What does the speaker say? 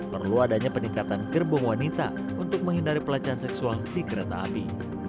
perlu adanya peningkatan gerbong wanita untuk menghindari pelecehan seksual di kereta api